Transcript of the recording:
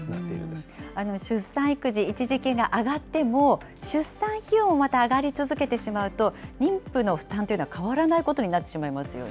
出産育児一時金が上がっても、出産費用もまた上がり続けてしまうと、妊婦の負担というのは変わらないことになってしまいますよね。